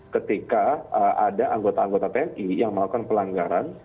ketika ada anggota anggota tni yang melakukan pelanggaran